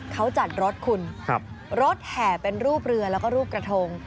เขาจัดรถคุณรถแห่เป็นรูปเรือแล้วก็รูปกระทง